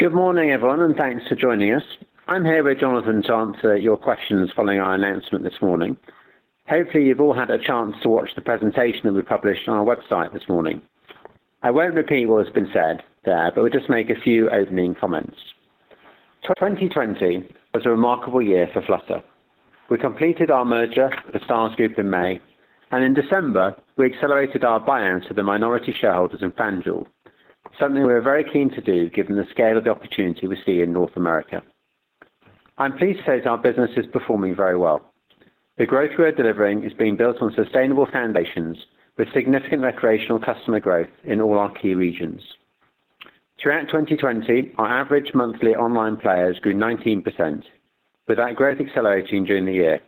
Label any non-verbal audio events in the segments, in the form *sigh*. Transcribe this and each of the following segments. Good morning, everyone, and thanks for joining us. I'm here with Jonathan to answer your questions following our announcement this morning. Hopefully you've all had a chance to watch the presentation that we published on our website this morning. I won't repeat what has been said there, but will just make a few opening comments. 2020 was a remarkable year for Flutter. We completed our merger with The Stars Group in May, and in December, we accelerated our buy-in to the minority shareholders in FanDuel, something we were very keen to do given the scale of the opportunity we see in North America. I'm pleased to say that our business is performing very well. The growth we are delivering is being built on sustainable foundations with significant recreational customer growth in all our key regions. Throughout 2020, our average monthly online players grew 19%, with that growth accelerating during the year.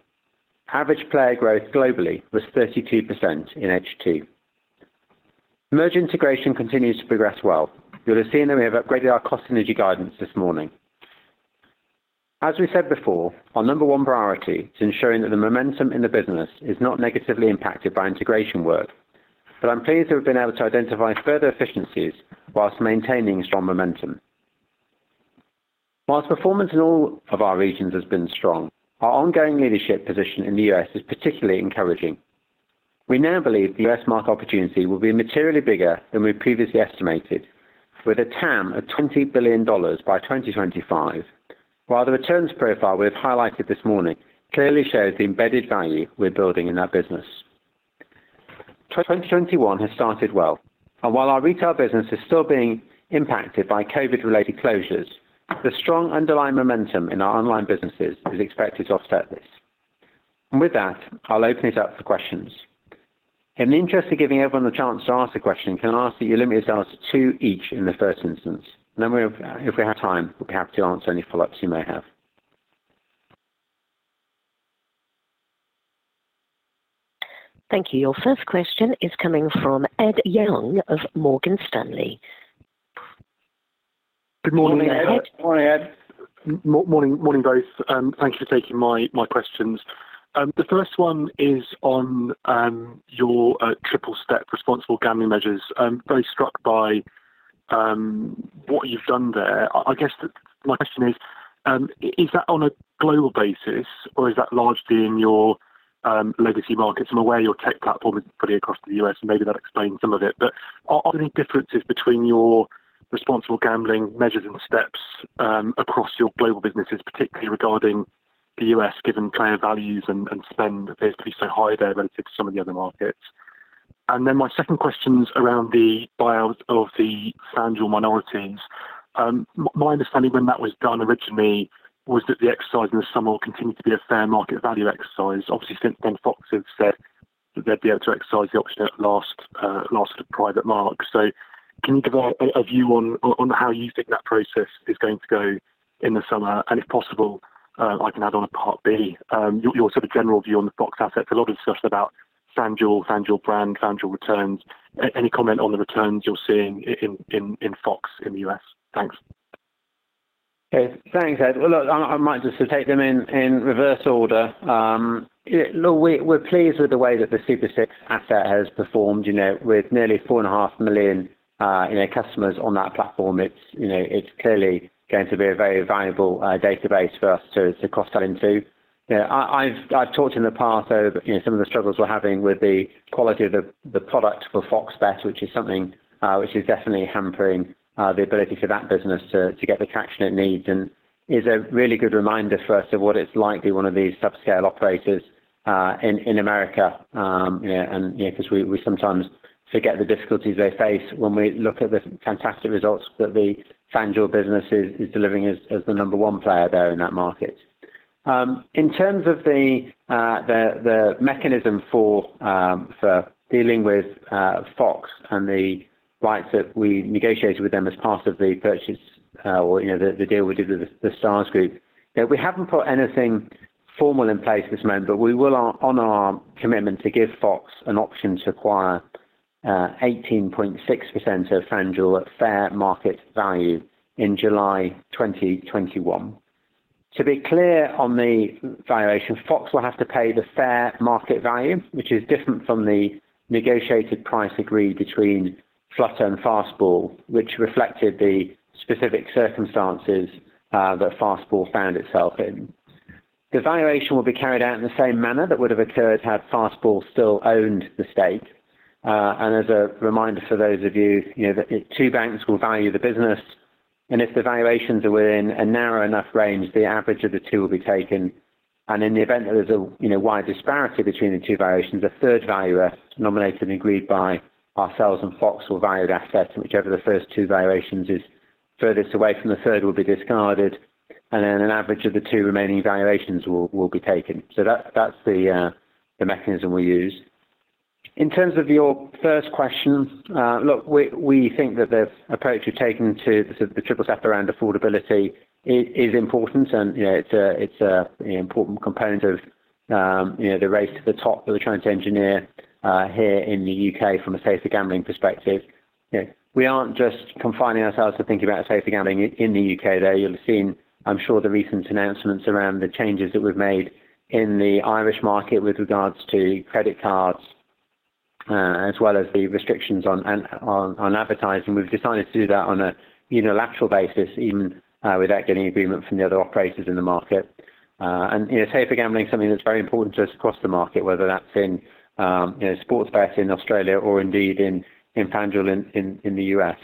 Average player growth globally was 32% in H2. Merge integration continues to progress well. You'll have seen that we have upgraded our cost synergy guidance this morning. As we said before, our number one priority is ensuring that the momentum in the business is not negatively impacted by integration work, but I'm pleased that we've been able to identify further efficiencies whilst maintaining strong momentum. Whilst performance in all of our regions has been strong, our ongoing leadership position in the U.S. is particularly encouraging. We now believe the U.S. market opportunity will be materially bigger than we had previously estimated, with a TAM of $20 billion by 2025. While the returns profile we have highlighted this morning clearly shows the embedded value we're building in that business. 2021 has started well, and while our retail business is still being impacted by COVID-related closures, the strong underlying momentum in our online businesses is expected to offset this. With that, I'll open it up for questions. In the interest of giving everyone the chance to ask a question, can I ask that you limit yourselves to two each in the first instance? Then if we have time, we'll be happy to answer any follow-ups you may have. Thank you. Your first question is coming from Ed Young of Morgan Stanley. *crosstalk* Good morning, Ed. Morning, Ed. Morning, both. Thank you for taking my questions. The first one is on your triple step responsible gambling measures. I'm very struck by what you've done there. I guess my question is that on a global basis or is that largely in your legacy markets? I'm aware your tech platform is pretty across the U.S., and maybe that explains some of it. Are there any differences between your responsible gambling measures and steps across your global businesses, particularly regarding the U.S., given player values and spend appears to be so high there relative to some of the other markets? My second question is around the buy-out of the FanDuel minorities. My understanding when that was done originally was that the exercise in the summer will continue to be a fair market value exercise. Obviously, since then, Fox have said that they'd be able to exercise the option at last private mark. Can you give a view on how you think that process is going to go in the summer? If possible, I can add on a part B, your general view on the Fox assets. A lot of discussion about FanDuel brand, FanDuel returns. Any comment on the returns you're seeing in Fox in the U.S.? Thanks. Thanks, Ed. Well, look, I might just take them in reverse order. Look, we're pleased with the way that the Super 6 asset has performed with nearly four and a half million in our customers on that platform. It's clearly going to be a very valuable database for us to cross-sell into. I've talked in the past of some of the struggles we're having with the quality of the product for FOX Bet, which is something which is definitely hampering the ability for that business to get the traction it needs and is a really good reminder for us of what it's like to be one of these subscale operators in America because we sometimes forget the difficulties they face when we look at the fantastic results that the FanDuel business is delivering as the number one player there in that market. In terms of the mechanism for dealing with Fox and the rights that we negotiated with them as part of the purchase or the deal we did with The Stars Group, we haven't put anything formal in place this moment, but we will honor our commitment to give Fox an option to acquire 18.6% of FanDuel at fair market value in July 2021. To be clear on the valuation, Fox will have to pay the fair market value, which is different from the negotiated price agreed between Flutter and Fastball, which reflected the specific circumstances that Fastball found itself in. The valuation will be carried out in the same manner that would have occurred had Fastball still owned the stake. As a reminder for those of you, two banks will value the business, and if the valuations are within a narrow enough range, the average of the two will be taken. In the event that there's a wide disparity between the two valuations, a third valuer nominated and agreed by ourselves and Fox will value the asset, and whichever of the first two valuations is furthest away from the third will be discarded, and then an average of the two remaining valuations will be taken. That's the mechanism we use. In terms of your first question, look, we think that the approach we've taken to the triple step around affordability is important, and it's an important component of the race to the top that we're trying to engineer here in the U.K. from a safer gambling perspective. We aren't just confining ourselves to thinking about safer gambling in the U.K., though. You'll have seen, I'm sure, the recent announcements around the changes that we've made in the Irish market with regards to credit cards as well as the restrictions on advertising. We've decided to do that on a unilateral basis, even without getting agreement from the other operators in the market. Safer gambling is something that's very important to us across the market, whether that's in sports betting in Australia or indeed in FanDuel in the U.S.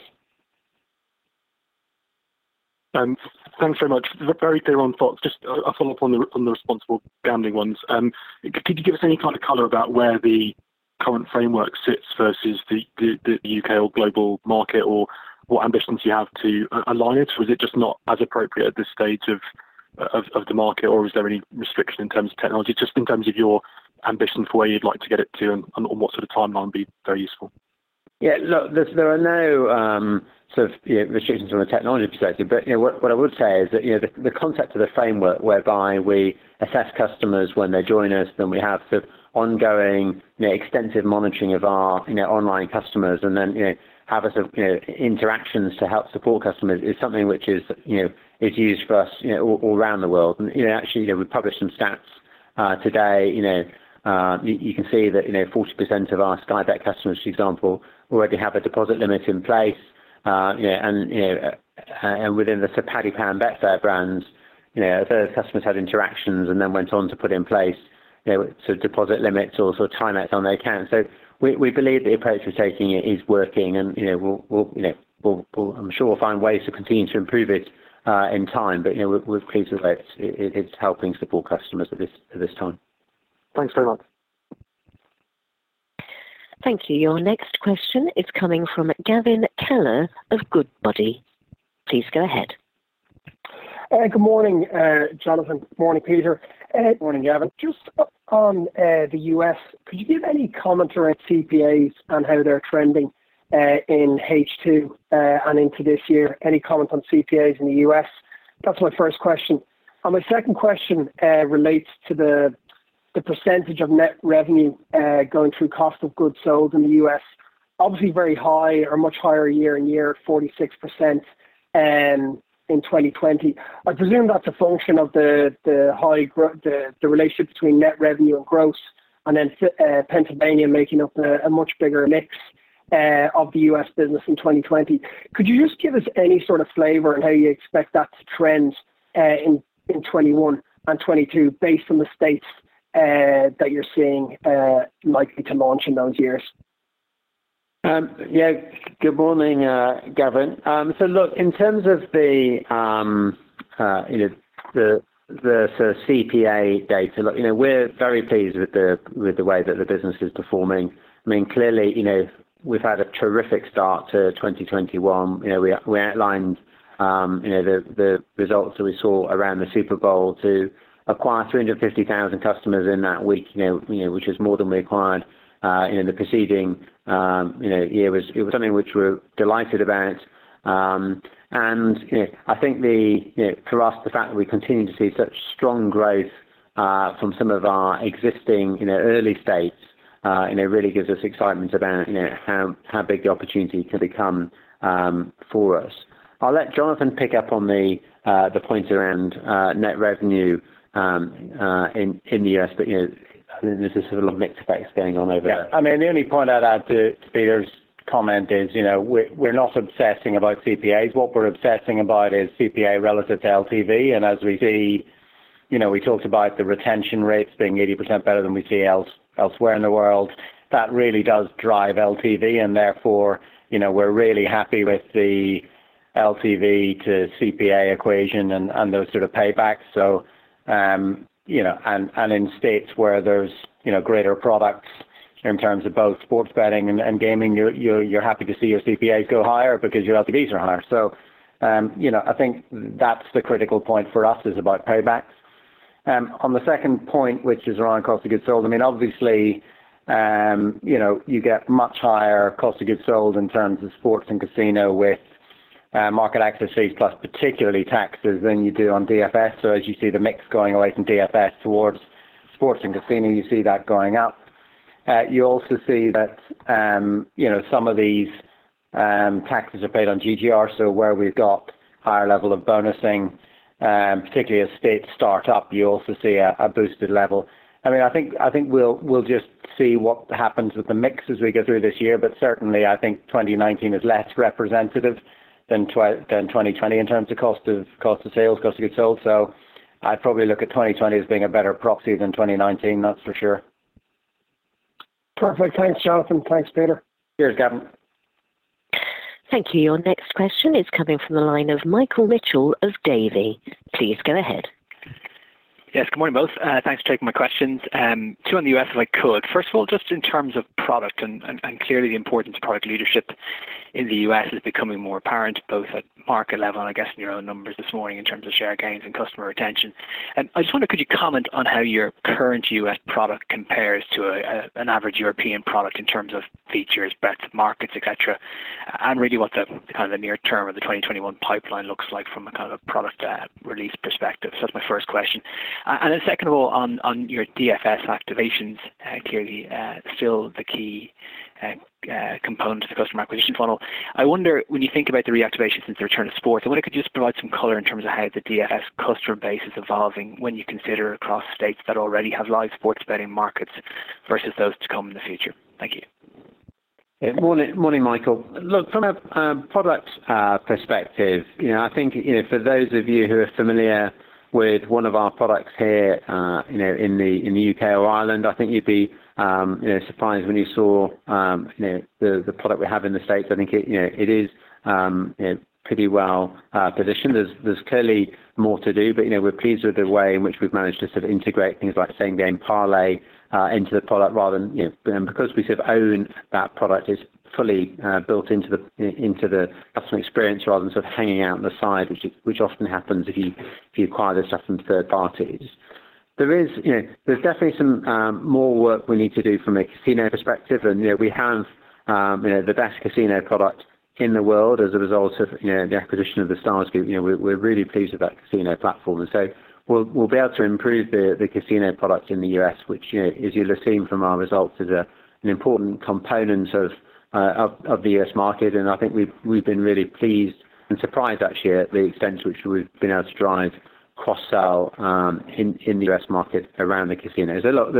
Thanks very much. Very clear on thoughts. Just a follow-up on the responsible gambling ones. Could you give us any kind of color about where the current framework sits versus the U.K. or global market, or what ambitions you have to align it? Was it just not as appropriate at this stage of the market, or is there any restriction in terms of technology? Just in terms of your ambitions for where you'd like to get it to and on what sort of timeline would be very useful. Yeah, look, there are no sort of restrictions from a technology perspective. What I would say is that the concept of the framework whereby we assess customers when they join us, then we have sort of ongoing extensive monitoring of our online customers and then have interactions to help support customers is something which is used for us all around the world. Actually, we published some stats today. You can see that 40% of our Sky Bet customers, for example, already have a deposit limit in place and within the Paddy Power Betfair brand, the customers had interactions and then went on to put in place deposit limits or sort of timeouts on their account. We believe the approach we're taking is working and we'll, I'm sure, find ways to continue to improve it in time. We're pleased with where it's helping support customers at this time. Thanks very much. Thank you. Your next question is coming from Gavin Kelleher of Goodbody. Please go ahead. Good morning, Jonathan. Morning, Peter. Morning, Gavin. Just on the U.S., could you give any comment around CPAs and how they're trending in H2 and into this year? Any comment on CPAs in the U.S.? That's my first question. My second question relates to the percentage of net revenue going through cost of goods sold in the U.S. Obviously very high or much higher year-on-year, 46% in 2020. I presume that's a function of the relationship between net revenue and gross and then Pennsylvania making up a much bigger mix of the U.S. business in 2020. Could you just give us any sort of flavor on how you expect that to trend in 2021 and 2022 based on the states that you're seeing likely to launch in those years? Good morning, Gavin. Look, in terms of the CPA data, look, we're very pleased with the way that the business is performing. Clearly, we've had a terrific start to 2021. We outlined the results that we saw around the Super Bowl to acquire 350,000 customers in that week which is more than we acquired in the preceding year. It was something which we're delighted about. I think for us, the fact that we continue to see such strong growth from some of our existing early states really gives us excitement about how big the opportunity can become for us. I'll let Jonathan pick up on the point around net revenue in the U.S., there's this sort of mixed effects going on over there. The only point I'd add to Peter's comment is we're not obsessing about CPAs. What we're obsessing about is CPA relative to LTV. As we see, we talked about the retention rates being 80% better than we see elsewhere in the world. That really does drive LTV and therefore, we're really happy with the LTV to CPA equation and those sort of paybacks. In states where there's greater products in terms of both sports betting and gaming, you're happy to see your CPAs go higher because your LTVs are higher. I think that's the critical point for us is about paybacks. On the second point, which is around cost of goods sold, obviously, you get much higher cost of goods sold in terms of sports and casino with market access fees plus particularly taxes than you do on DFS. As you see the mix going away from DFS towards sports and casino, you see that going up. You also see that some of these taxes are paid on GGR, so where we've got higher level of bonusing, particularly as states start up, you also see a boosted level. I think we'll just see what happens with the mix as we go through this year. Certainly, I think 2019 is less representative than 2020 in terms of cost of sales, cost of goods sold. I'd probably look at 2020 as being a better proxy than 2019, that's for sure. Perfect. Thanks, Jonathan. Thanks, Peter. Cheers, Gavin. Thank you. Your next question is coming from the line of Michael Mitchell of Davy. Please go ahead. Yes, good morning, both. Thanks for taking my questions. Two on the U.S., if I could. First of all, just in terms of product. Clearly the importance of product leadership in the U.S. is becoming more apparent both at market level and I guess in your own numbers this morning in terms of share gains and customer retention. I just wonder, could you comment on how your current U.S. product compares to an average European product in terms of features, bets, markets, et cetera, and really what the kind of the near term of the 2021 pipeline looks like from a kind of product release perspective. That's my first question. Then second of all, on your DFS activations, clearly still the key component of the customer acquisition funnel. I wonder when you think about the reactivation since the return of sports, I wonder if you could just provide some color in terms of how the DFS customer base is evolving when you consider across states that already have live sports betting markets versus those to come in the future. Thank you. Good morning, Michael. From a product perspective, I think for those of you who are familiar with one of our products here in the U.K. or Ireland, I think you'd be surprised when you saw the product we have in the U.S. I think it is pretty well positioned. There's clearly more to do. We're pleased with the way in which we've managed to sort of integrate things like Same Game Parlay into the product. We sort of own that product, it's fully built into the customer experience rather than sort of hanging out in the side, which often happens if you acquire this stuff from third parties. There's definitely some more work we need to do from a casino perspective. We have the best casino product in the world as a result of the acquisition of The Stars Group. We're really pleased with that casino platform, so we'll be able to improve the casino product in the U.S., which as you'll have seen from our results, is an important component of the U.S. market and I think we've been really pleased and surprised actually, at the extent to which we've been able to drive cross-sell in the U.S. market around the casinos. Look,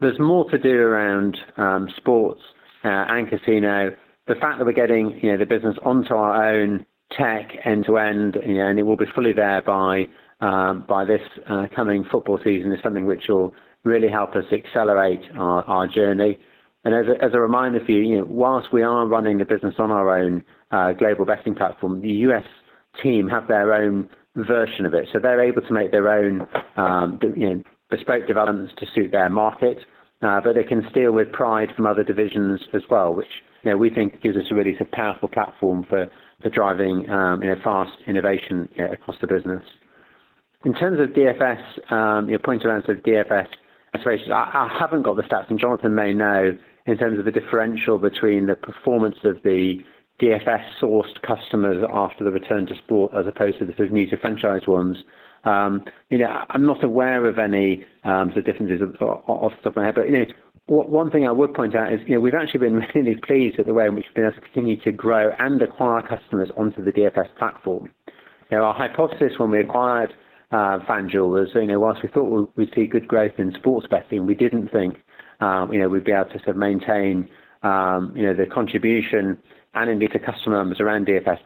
there's more to do around sports and casino. The fact that we're getting the business onto our own tech end-to-end and it will be fully there by this coming football season, is something which will really help us accelerate our journey. As a reminder for you, whilst we are running the business on our own Global Betting Platform, the U.S. team have their own version of it, so they're able to make their own bespoke developments to suit their market. They can steal with pride from other divisions as well, which we think gives us a really sort of powerful platform for driving fast innovation across the business. In terms of DFS, your point around sort of DFS aspirations, I haven't got the stats and Jonathan may know in terms of the differential between the performance of the DFS-sourced customers after the return to sport as opposed to the sort of new-to-franchise ones. I'm not aware of any sort of differences of stuff like that but one thing I would point out is we've actually been really pleased with the way in which we've been able to continue to grow and acquire customers onto the DFS platform. Our hypothesis when we acquired FanDuel was whilst we thought we'd see good growth in sports betting, we didn't think we'd be able to sort of maintain the contribution and indeed the customer numbers around DFS.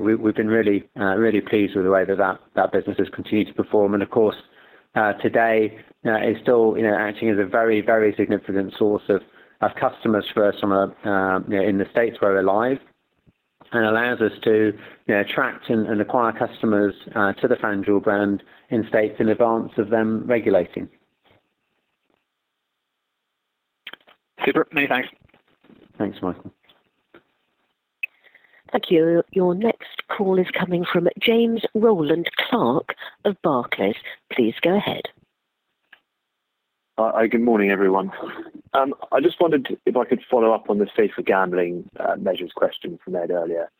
We've been really pleased with the way that that business has continued to perform and of course, today, it's still acting as a very significant source of customers for us in the States where we're live and allows us to attract and acquire customers to the FanDuel brand in states in advance of them regulating. Super. Many thanks. Thanks, Michael. Thank you. Your next call is coming from James Rowland Clark of Barclays. Please go ahead. Good morning, everyone. I just wondered if I could follow up on the safer gambling measures question from earlier.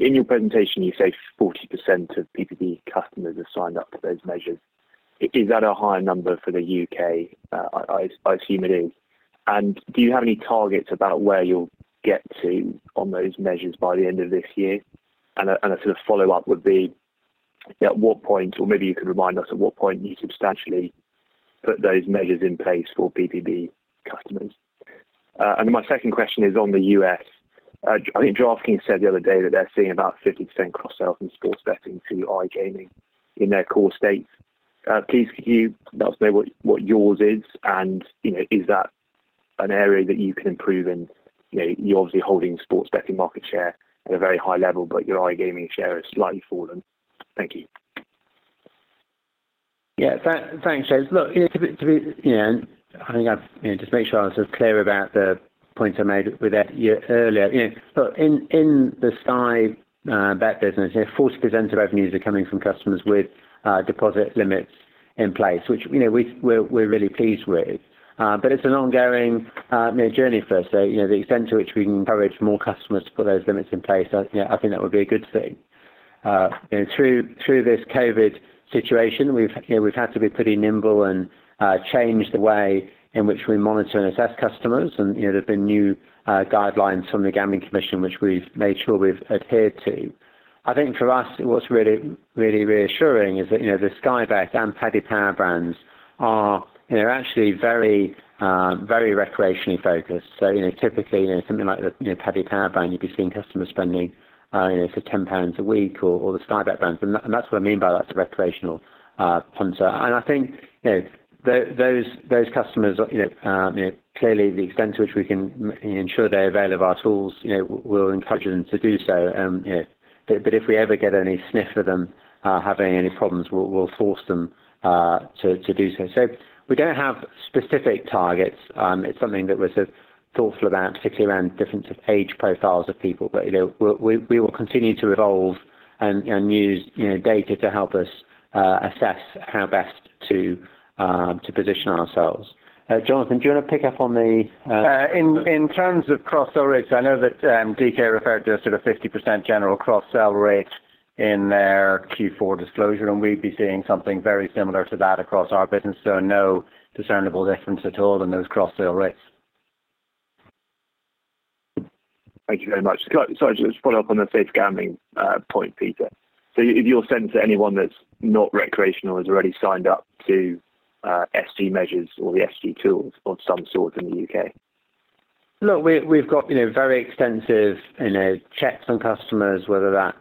In your presentation, you say 40% of PPB customers are signed up for those measures. Is that a higher number for the U.K.? I assume it is. Do you have any targets about where you'll get to on those measures by the end of this year? A sort of follow-up would be, at what point, or maybe you could remind us at what point you substantially put those measures in place for PPB customers. My second question is on the U.S. DraftKings said the other day that they're seeing about 50% cross-sell from sports betting to iGaming in their core states. Please could you let us know what yours is and is that an area that you can improve in? You're obviously holding sports betting market share at a very high level but your iGaming share has slightly fallen. Thank you. Thanks, James. I think I've just made sure I was sort of clear about the points I made with that earlier. In the Sky Bet business, 40% of revenues are coming from customers with deposit limits in place, which we're really pleased with. It's an ongoing journey for us. The extent to which we can encourage more customers to put those limits in place, I think that would be a good thing. Through this COVID situation, we've had to be pretty nimble and change the way in which we monitor and assess customers and there have been new guidelines from the Gambling Commission which we've made sure we've adhered to. I think for us, what's really reassuring is that the Sky Bet and Paddy Power brands are actually very recreationally focused. Typically something like the Paddy Power brand, you'd be seeing customers spending sort of 10 pounds a week or the Sky Bet brand. That's what I mean by that, it's a recreational punter. I think those customers clearly the extent to which we can ensure they avail of our tools, we'll encourage them to do so. If we ever get any sniff of them having any problems, we'll force them to do so. We don't have specific targets. It's something that we're sort of thoughtful about, particularly around difference of age profiles of people. We will continue to evolve and use data to help us assess how best to position ourselves. Jonathan, do you want to pick up on the- In terms of cross-sell rates, I know that DK referred to a sort of 50% general cross-sell rate in their Q4 disclosure. We'd be seeing something very similar to that across our business. No discernible difference at all in those cross-sell rates. Thank you very much. Sorry, just to follow up on the safe gambling point, Peter. You're saying to anyone that's not recreational has already signed up to SG measures or the SG tools of some sort in the U.K.? Look, we've got very extensive checks on customers, whether that's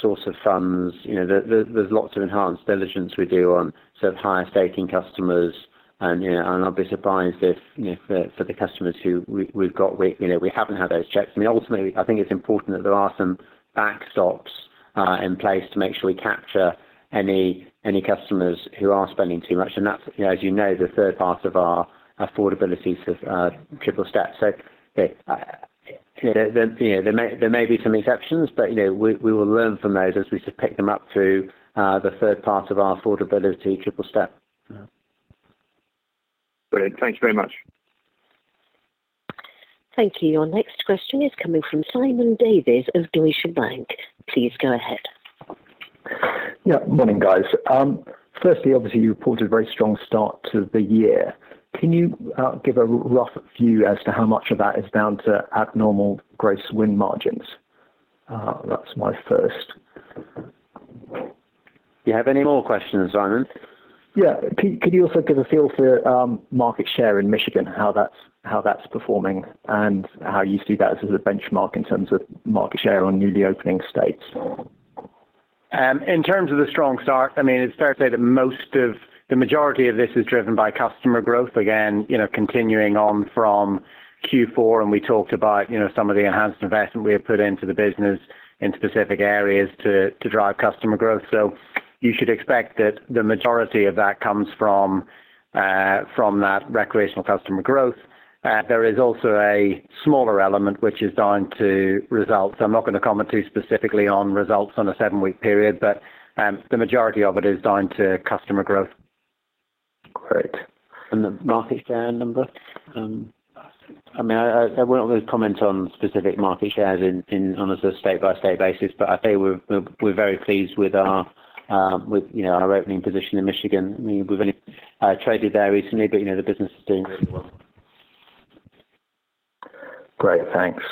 source of funds, there's lots of enhanced diligence we do on higher staking customers and I'd be surprised if, for the customers who we haven't had those checks. Ultimately, I think it's important that there are some backstops in place to make sure we capture any customers who are spending too much, and that's, as you know, the third part of our affordability Play Well. There may be some exceptions, but we will learn from those as we pick them up through the third part of our affordability Play Well. Brilliant. Thank you very much. Thank you. Your next question is coming from Simon Davies of Deutsche Bank. Please go ahead. Yeah. Morning, guys. Firstly, obviously you reported a very strong start to the year. Can you give a rough view as to how much of that is down to abnormal gross win margins? That's my first. Do you have any more questions, Simon? Yeah. Could you also give a feel for market share in Michigan, how that's performing and how you see that as a benchmark in terms of market share on newly opening states? In terms of the strong start, it's fair to say that the majority of this is driven by customer growth, again, continuing on from Q4, and we talked about some of the enhanced investment we have put into the business in specific areas to drive customer growth. You should expect that the majority of that comes from that recreational customer growth. There is also a smaller element which is down to results. I'm not going to comment too specifically on results on a seven-week period, but the majority of it is down to customer growth. Great. The market share number? I won't comment on specific market shares on a state-by-state basis, but I'd say we're very pleased with our opening position in Michigan. We've only traded there recently, but the business is doing really well. Great, thanks.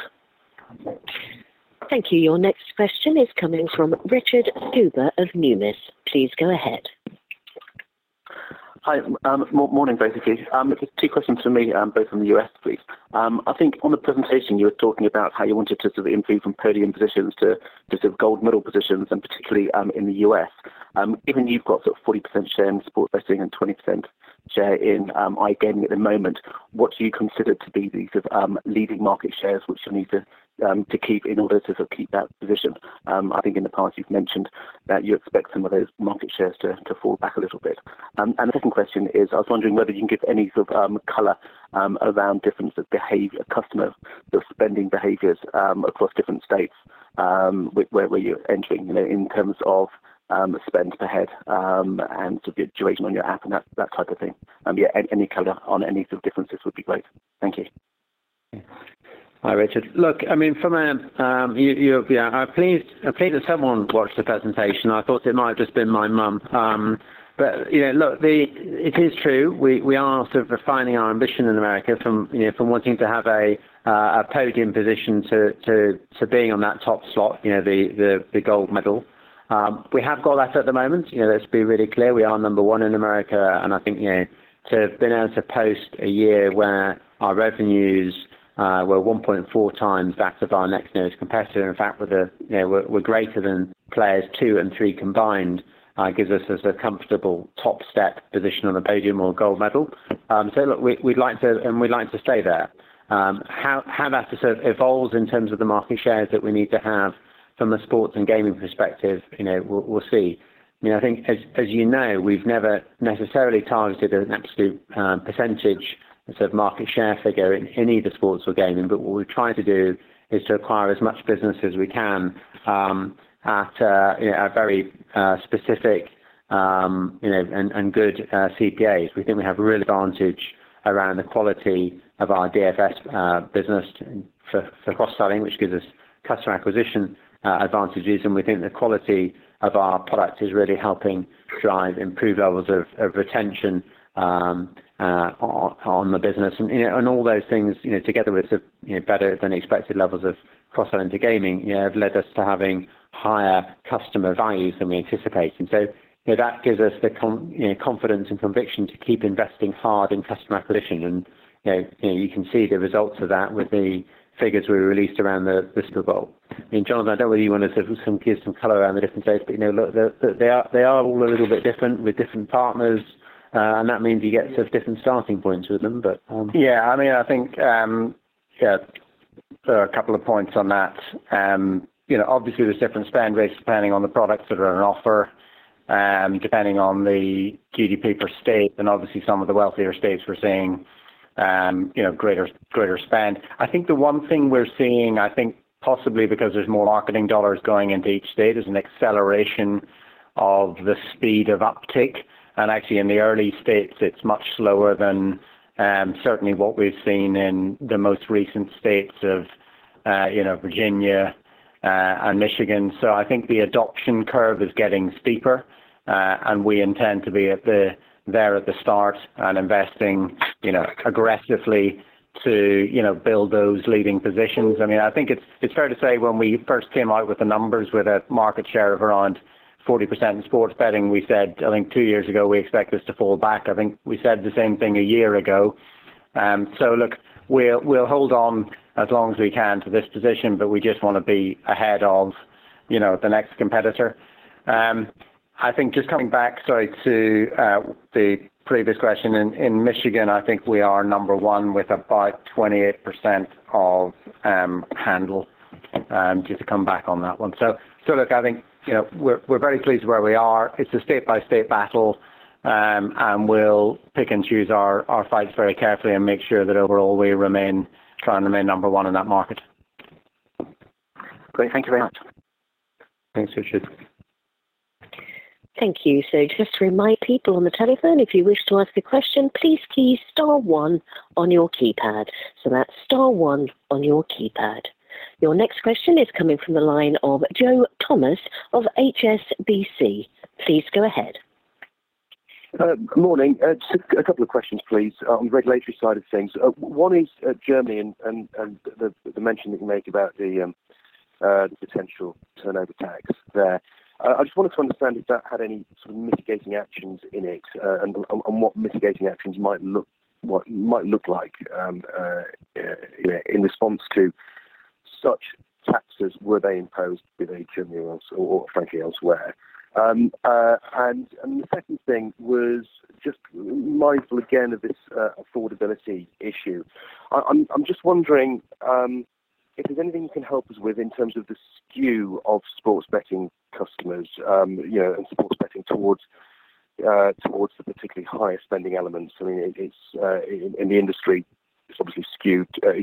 Thank you. Your next question is coming from Richard Cooper of Numis. Please go ahead. Hi. Morning. Two questions from me, both from the U.S., please. I think on the presentation, you were talking about how you wanted to improve from podium positions to gold medal positions, and particularly in the U.S. Given you've got 40% share in sports betting and 20% share in iGaming at the moment, what do you consider to be these leading market shares which you'll need to keep in order to keep that position? I think in the past you've mentioned that you expect some of those market shares to fall back a little bit. The second question is, I was wondering whether you can give any color around differences of customer spending behaviors across different states where you're entering, in terms of spend per head and duration on your app and that type of thing. Any color on any differences would be great. Thank you. Hi, Richard. Look, I'm pleased that someone watched the presentation. I thought it might have just been my mum. Look, it is true, we are refining our ambition in the U.S. from wanting to have a podium position to being on that top slot, the gold medal. We have got that at the moment. Let's be really clear, we are number one in the U.S., and I think to have been able to post a year where our revenues were 1.4 times that of our next nearest competitor, in fact we're greater than players two and three combined, gives us a comfortable top step position on the podium or gold medal. Look, and we'd like to stay there. How that evolves in terms of the market shares that we need to have from a sports and gaming perspective, we'll see. I think, as you know, we've never necessarily targeted an absolute percentage market share figure in either sports or gaming. What we've tried to do is to acquire as much business as we can at a very specific and good CPAs. We think we have a real advantage around the quality of our DFS business for cross-selling, which gives us customer acquisition advantages, and we think the quality of our product is really helping drive improved levels of retention on the business. All those things together with better than expected levels of cross-selling to gaming, have led us to having higher customer values than we anticipated. That gives us the confidence and conviction to keep investing hard in customer acquisition and you can see the results of that with the figures we released around the Crystal Ball. Jonathan, I don't know whether you want to give some color around the different states. Look, they are all a little bit different with different partners, and that means you get different starting points with them. Yeah, I think there are a couple of points on that. Obviously, there's different spend rates depending on the products that are on offer, depending on the GDP per state, and obviously some of the wealthier states we're seeing greater spend. I think the one thing we're seeing, I think possibly because there's more marketing dollars going into each state, is an acceleration of the speed of uptake. Actually in the early states, it's much slower than certainly what we've seen in the most recent states of Virginia and Michigan. I think the adoption curve is getting steeper, and we intend to be there at the start and investing aggressively to build those leading positions. I think it's fair to say, when we first came out with the numbers, with a market share of around 40% in sports betting, we said, I think two years ago, we expect this to fall back. I think we said the same thing a year ago. Look, we'll hold on as long as we can to this position, but we just want to be ahead of the next competitor. I think just coming back, sorry, to the previous question, in Michigan, I think we are number one with about 28% of handle, just to come back on that one. Look, I think we're very pleased where we are. It's a state-by-state battle, and we'll pick and choose our fights very carefully and make sure that overall we try and remain number one in that market. Great. Thank you very much. Thanks, Richard. Thank you. Just to remind people on the telephone, if you wish to ask a question, please key star one on your keypad. That's star one on your keypad. Your next question is coming from the line of Joe Thomas of HSBC. Please go ahead. Good morning. Two questions, please, on the regulatory side of things. One is Germany and the mention that you make about the potential turnover tax there. I just wanted to understand if that had any sort of mitigating actions in it and what mitigating actions might look like in response to such taxes, were they imposed be they Germany or frankly, elsewhere. The second thing was just mindful again of this affordability issue. I'm just wondering if there's anything you can help us with in terms of the skew of sports betting customers and sports betting towards the particularly higher spending elements. In the industry,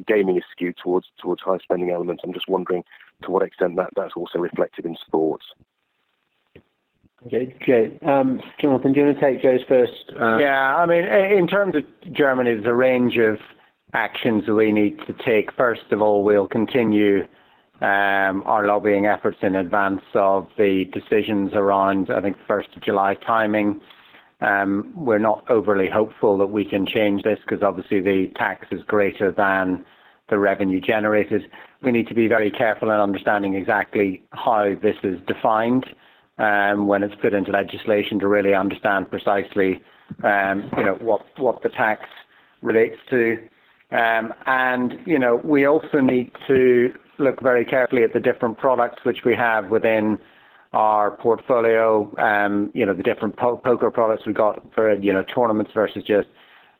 gaming is skewed towards high spending elements. I'm just wondering to what extent that's also reflected in sports. Okay, Joe. Jonathan, do you want to take Joe's first? Yeah, in terms of Germany, there's a range of actions we need to take. First of all, we'll continue our lobbying efforts in advance of the decisions around, I think 1st of July timing. We're not overly hopeful that we can change this because obviously the tax is greater than the revenue generated. We need to be very careful in understanding exactly how this is defined when it's put into legislation to really understand precisely what the tax relates to. We also need to look very carefully at the different products which we have within our portfolio, the different poker products we've got for tournaments versus just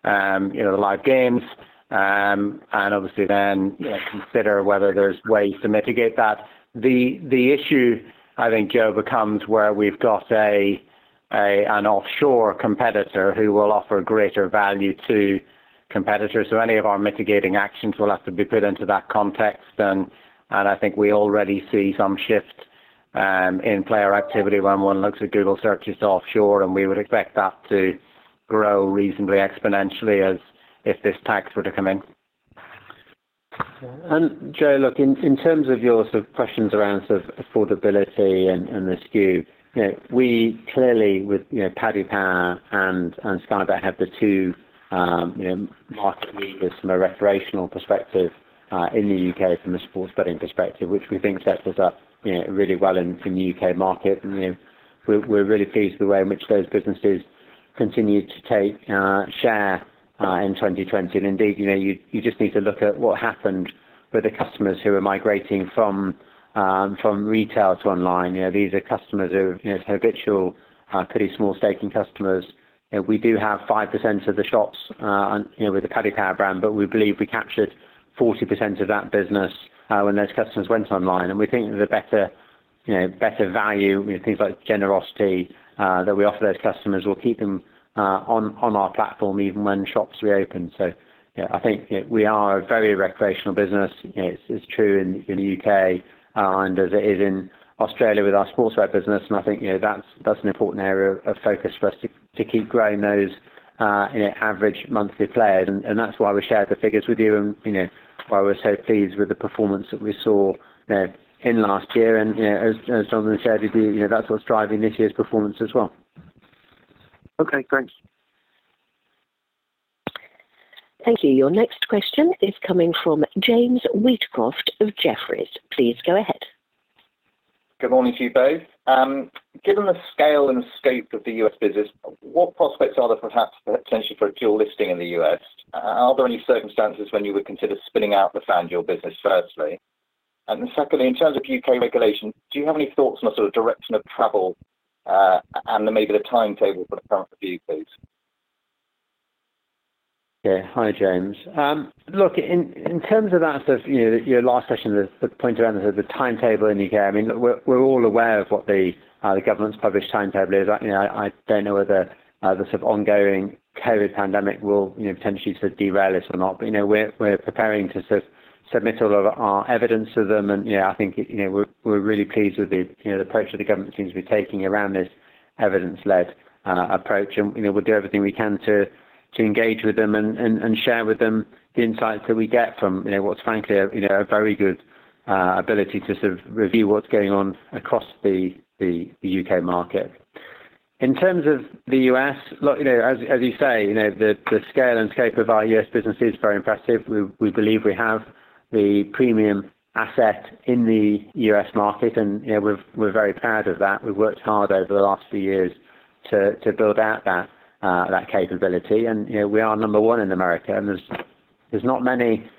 the live games. Obviously then consider whether there's ways to mitigate that. The issue, I think, Joe, becomes where we've got an offshore competitor who will offer greater value to competitors. Any of our mitigating actions will have to be put into that context and I think we already see some shift in player activity when one looks at Google searches offshore and we would expect that to grow reasonably exponentially as if this tax were to come in. Joe, look, in terms of your sort of questions around affordability and the skew, we clearly with Paddy Power and Sky Bet have the two market leaders from a recreational perspective in the U.K. from a sports betting perspective, which we think sets us up really well in the U.K. market. We're really pleased with the way in which those businesses continue to take share in 2020. Indeed, you just need to look at what happened with the customers who are migrating from retail to online. These are customers who are habitual pretty small staking customers. We do have 5% of the shops with the Paddy Power brand, but we believe we captured 40% of that business when those customers went online and we think the better value, things like generosity that we offer those customers will keep them on our platform even when shops reopen. Yeah, I think we are a very recreational business. It's true in the U.K. and as it is in Australia with our Sportsbet business. I think that's an important area of focus for us to keep growing those average monthly players and that's why we shared the figures with you and why we're so pleased with the performance that we saw in last year. As Jonathan shared with you, that's what's driving this year's performance as well. Okay, great. Thank you. Your next question is coming from James Wheatcroft of Jefferies. Please go ahead. Good morning to you both. Given the scale and scope of the U.S. business, what prospects are there perhaps potentially for a dual listing in the U.S.? Are there any circumstances when you would consider spinning out the FanDuel business, Firstly? Secondly, in terms of U.K. regulation, do you have any thoughts on the sort of direction of travel and maybe the timetable for the current review, please? Yeah. Hi, James. Look, in terms of that, your last question, the point around the timetable in the U.K., we're all aware of what the government's published timetable is. I don't know whether the sort of ongoing COVID pandemic will potentially sort of derail this or not. We're preparing to submit all of our evidence to them and yeah, I think we're really pleased with the approach that the government seems to be taking around this evidence-led approach and we'll do everything we can to engage with them and share with them the insights that we get from what's frankly a very good ability to sort of review what's going on across the U.K. market. In terms of the U.S., look as you say, the scale and scope of our U.S. business is very impressive. We believe we have the premium asset in the U.S. market. We're very proud of that. We've worked hard over the last few years to build out that capability. We are number one in America. There's not many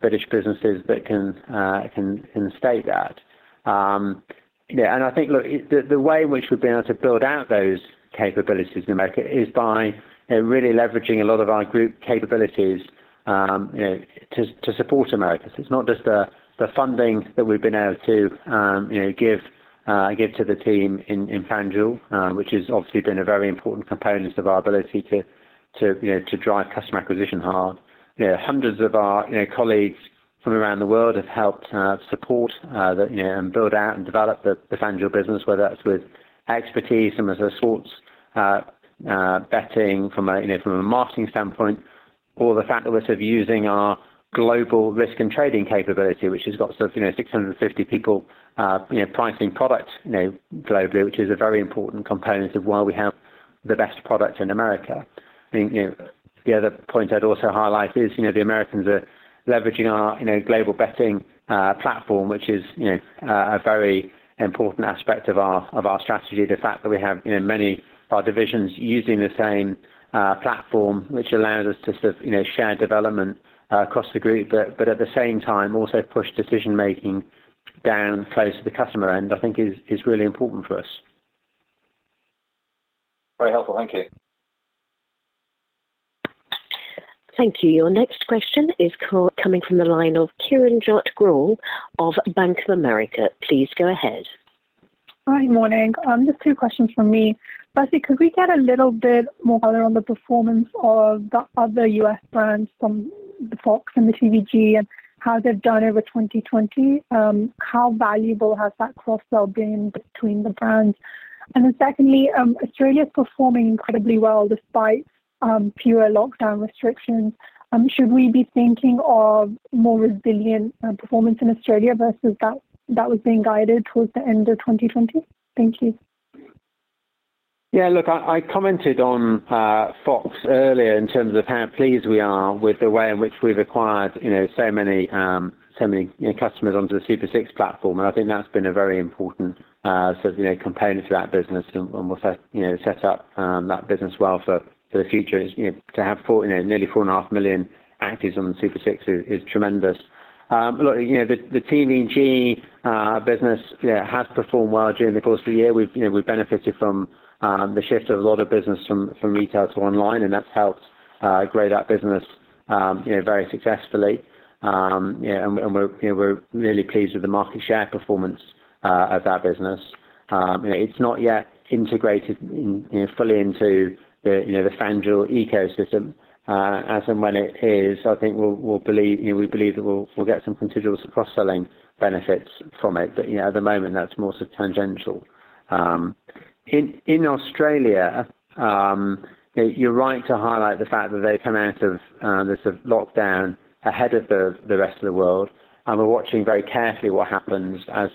British businesses that can state that. Yeah, I think, look, the way in which we've been able to build out those capabilities in America is by really leveraging a lot of our group capabilities to support America. It's not just the funding that we've been able to give to the team in FanDuel, which has obviously been a very important component of our ability to drive customer acquisition hard. Hundreds of our colleagues from around the world have helped support and build out and develop the FanDuel business, whether that's with expertise from a sports betting from a marketing standpoint, or the fact that we're sort of using our global risk and trading capability, which has got sort of 650 people pricing product globally, which is a very important component of why we have the best product in America. I think the other point I'd also highlight is, the Americans are leveraging our Global Betting Platform, which is a very important aspect of our strategy. The fact that we have many of our divisions using the same platform, which allows us to sort of share development across the group, but at the same time also push decision making down close to the customer end, I think is really important for us. Very helpful. Thank you. Thank you. Your next question is coming from the line of Kiranjot Grewal of Bank of America. Please go ahead. Hi. Morning. Just two questions from me. Firstly, could we get a little bit more color on the performance of the other U.S. brands from the Fox and the TVG and how they've done over 2020? How valuable has that cross-sell been between the brands? Secondly, Australia's performing incredibly well despite fewer lockdown restrictions. Should we be thinking of more resilient performance in Australia versus that was being guided towards the end of 2020? Thank you. Yeah, look, I commented on FOX earlier in terms of how pleased we are with the way in which we've acquired so many customers onto the Super 6 platform. I think that's been a very important component to that business and will set up that business well for the future is to have nearly 4.5 million actives on Super 6 is tremendous. Look, the TVG business has performed well during the course of the year. We've benefited from the shift of a lot of business from retail to online. That's helped grow that business very successfully. We're really pleased with the market share performance of that business. It's not yet integrated fully into the FanDuel ecosystem. As and when it is, I think we believe that we'll get some contiguous cross-selling benefits from it. At the moment, that's more sort of tangential. In Australia, you're right to highlight the fact that they've come out of this lockdown ahead of the rest of the world, and we're watching very carefully what happens as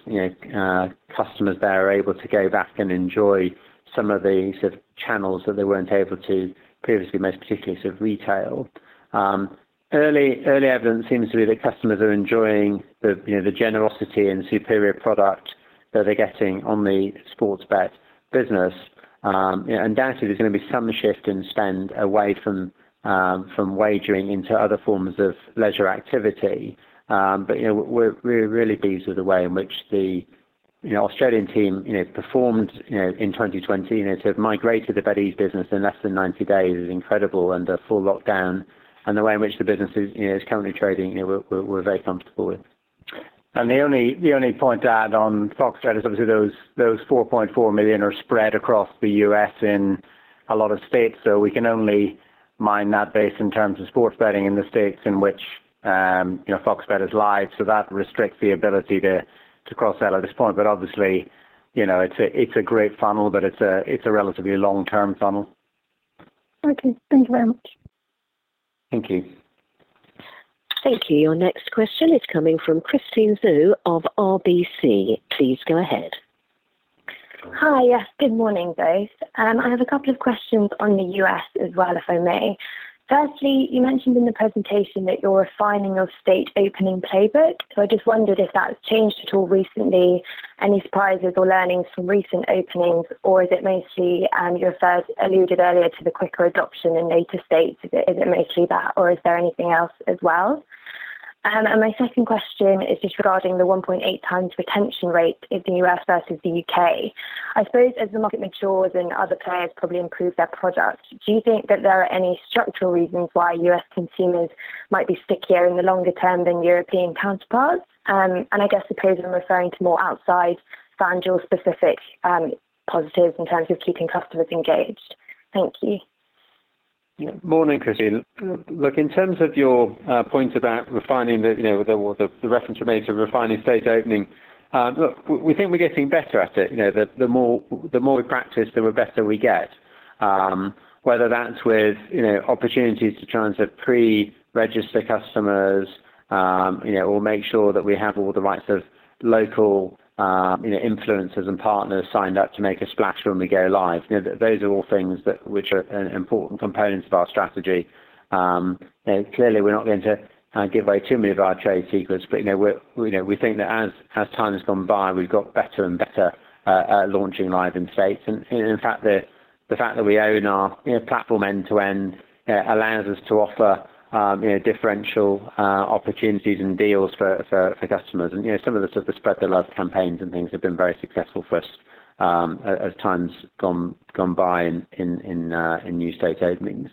customers there are able to go back and enjoy some of the sort of channels that they weren't able to previously, most particularly sort of retail. Early evidence seems to be that customers are enjoying the generosity and superior product that they're getting on the Sportsbet business. Undoubtedly, there's going to be some shift in spend away from wagering into other forms of leisure activity. We're really pleased with the way in which the Australian team performed in 2020. To have migrated the [BetEasy] business in less than 90 days is incredible under full lockdown and the way in which the business is currently trading, we're very comfortable with. The only point to add on FOX Bet is obviously those 4.4 million are spread across the U.S. in a lot of states. We can only mine that base in terms of sports betting in the states in which FOX Bet is live. That restricts the ability to cross-sell at this point. Obviously, it is a great funnel, but it is a relatively long-term funnel. Okay. Thank you very much. Thank you. Thank you. Your next question is coming from Christine Xu of RBC. Please go ahead. Hi. Yes, good morning, guys. I have a couple of questions on the U.S. as well, if I may. Firstly, you mentioned in the presentation that you're refining your state opening playbook, so I just wondered if that's changed at all recently, any surprises or learnings from recent openings, or is it mostly, you alluded earlier to the quicker adoption in later states. Is it mostly that, or is there anything else as well? My second question is just regarding the 1.8 times retention rate in the U.S. versus the U.K. I suppose as the market matures and other players probably improve their product, do you think that there are any structural reasons why U.S. consumers might be stickier in the longer term than European counterparts? I guess the players are referring to more outside FanDuel specific positives in terms of keeping customers engaged. Thank you. Morning, Christine. Look, in terms of your point about refining the, or the reference you made to refining state opening, look, we think we're getting better at it. The more we practice, the better we get. Whether that's with opportunities to try and pre-register customers, or make sure that we have all the right sort of local influencers and partners signed up to make a splash when we go live. Those are all things which are important components of our strategy. Clearly, we're not going to give away too many of our trade secrets, but we think that as time has gone by, we've got better and better at launching live in states. In fact, the fact that we own our platform end-to-end allows us to offer differential opportunities and deals for customers and some of the Spread the Love campaigns and things have been very successful for us as time's gone by in new state openings.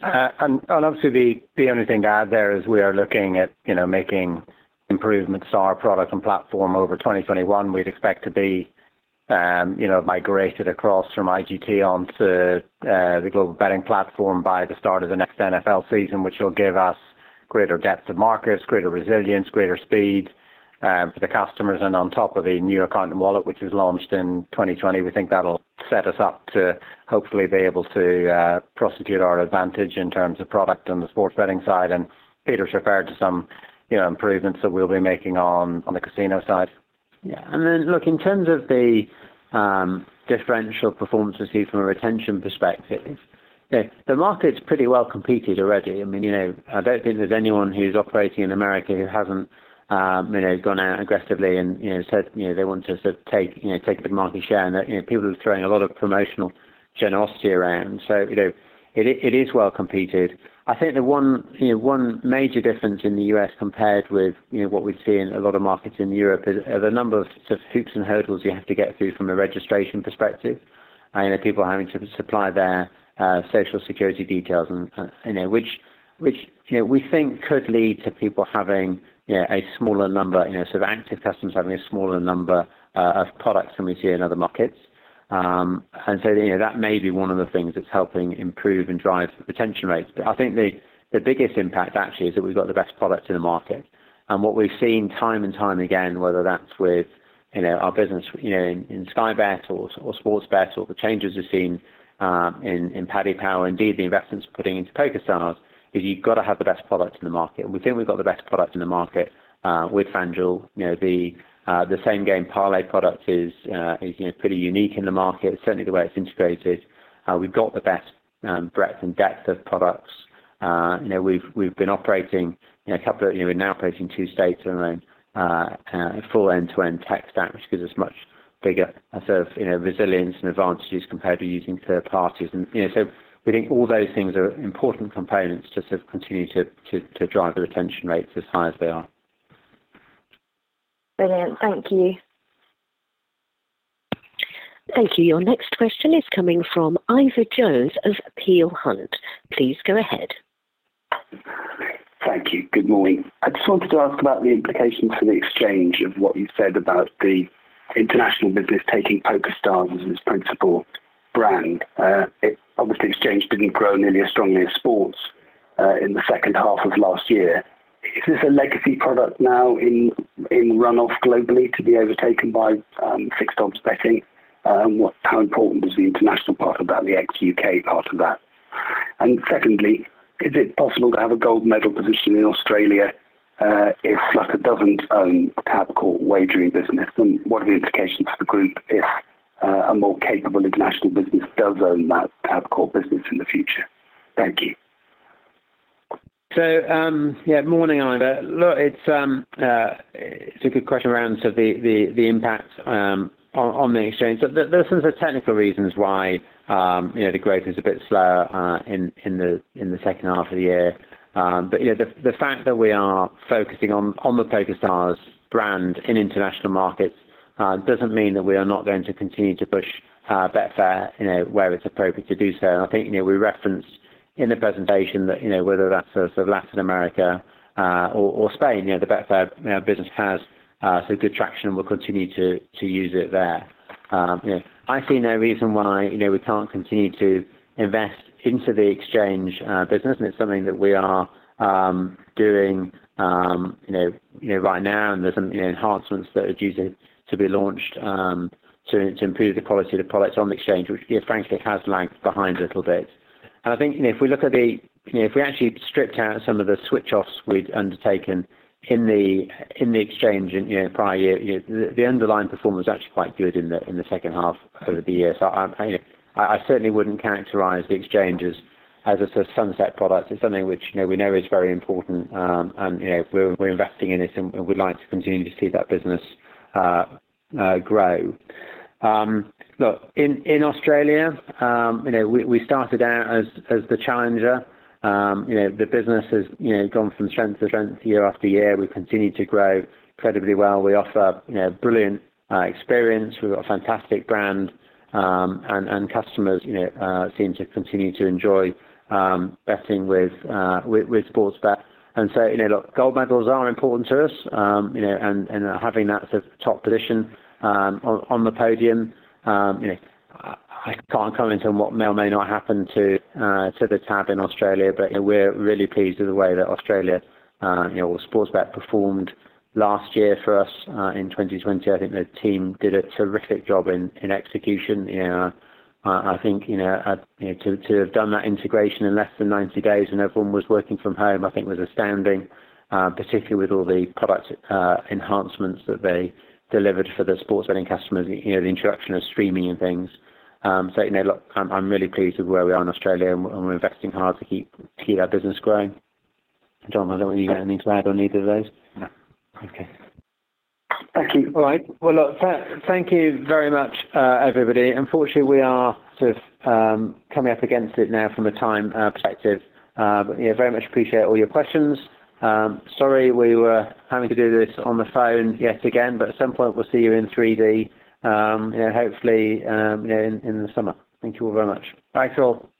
Obviously the only thing to add there is we are looking at making improvements to our product and platform over 2021. We'd expect to be migrated across from IGT onto the Global Betting Platform by the start of the next NFL season, which will give us greater depth of markets, greater resilience, greater speed for the customers. On top of a new account and wallet, which was launched in 2020, we think that'll set us up to hopefully be able to prosecute our advantage in terms of product on the sports betting side. Peter's referred to some improvements that we'll be making on the casino side. Look, in terms of the differential performance we see from a retention perspective, the market's pretty well competed already. I don't think there's anyone who's operating in America who hasn't gone out aggressively and said they want to take a big market share and that people are throwing a lot of promotional generosity around. It is well competed. I think the one major difference in the U.S. compared with what we see in a lot of markets in Europe is the number of hoops and hurdles you have to get through from a registration perspective. People are having to supply their social security details, which we think could lead to people having a smaller number, sort of active customers having a smaller number of products than we see in other markets. That may be one of the things that's helping improve and drive retention rates. I think the biggest impact actually is that we've got the best product in the market. What we've seen time and time again, whether that's with our business in Sky Bet or Sportsbet or the changes we've seen in Paddy Power, indeed the investments putting into PokerStars, is you've got to have the best product in the market. We think we've got the best product in the market with FanDuel. The same game parlay product is pretty unique in the market, certainly the way it's integrated. We've got the best breadth and depth of products. We're now operating two states and a full end-to-end tech stack, which gives us much bigger resilience and advantages compared to using third parties. We think all those things are important components to continue to drive the retention rates as high as they are. Brilliant. Thank you. Thank you. Your next question is coming from Ivor Jones of Peel Hunt. Please go ahead. Thank you. Good morning. I just wanted to ask about the implications for the Exchange of what you said about the international business taking PokerStars as its principal brand. Obviously, Exchange didn't grow nearly as strongly as sports in the second half of last year. Is this a legacy product now in runoff globally to be overtaken by fixed odds betting? How important is the international part of that and the ex U.K. part of that? Secondly, is it possible to have a gold medal position in Australia if Flutter doesn't own Tabcorp wagering business? What are the implications for the group if a more capable international business does own that Tabcorp business in the future? Thank you. Yeah, morning, Ivor. Look, it's a good question around the impact on the Exchange. There are some sort of technical reasons why the growth is a bit slower in the second half of the year. The fact that we are focusing on the PokerStars brand in international markets doesn't mean that we are not going to continue to push Betfair where it's appropriate to do so. I think we referenced in the presentation that whether that's Latin America or Spain, the Betfair business has good traction and we'll continue to use it there. I see no reason why we can't continue to invest into the Exchange business, and it's something that we are doing right now, and there's some enhancements that are due to be launched to improve the quality of the products on the Exchange, which frankly has lagged behind a little bit. I think if we actually stripped out some of the switch offs we'd undertaken in the Exchange in prior year, the underlying performance was actually quite good in the second half of the year. I certainly wouldn't characterize the Exchange as a sort of sunset product. It's something which we know is very important and we're investing in it and would like to continue to see that business grow. Look, in Australia we started out as the challenger. The business has gone from strength to strength year after year. We've continued to grow incredibly well. We offer a brilliant experience. We've got a fantastic brand. Customers seem to continue to enjoy betting with Sportsbet. Look, gold medals are important to us and having that sort of top position on the podium. I can't comment on what may or may not happen to the Tabcorp in Australia. We're really pleased with the way that Australia or Sportsbet performed last year for us in 2020. I think the team did a terrific job in execution. I think to have done that integration in less than 90 days when everyone was working from home, I think was astounding, particularly with all the product enhancements that they delivered for the sports betting customers, the introduction of streaming and things. Look, I'm really pleased with where we are in Australia and we're investing hard to keep that business growing. Jon, I don't know whether you got anything to add on either of those? No. Okay. Thank you. All right. Well, look, thank you very much, everybody. Unfortunately, we are sort of coming up against it now from a time perspective. Very much appreciate all your questions. Sorry we were having to do this on the phone yet again, at some point we'll see you in 3D hopefully in the summer. Thank you all very much. Bye to all.